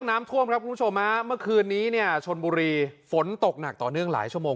น้ำท่วมครับคุณผู้ชมฮะเมื่อคืนนี้เนี่ยชนบุรีฝนตกหนักต่อเนื่องหลายชั่วโมง